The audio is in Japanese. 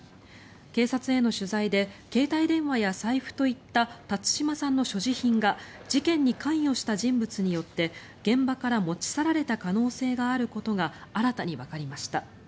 警察への取材で携帯電話や財布といった辰島さんの所持品が事件に関与した人物によって現場から持ち去られた可能性があることが新たにわかりました。